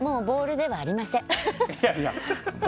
ボールではありません。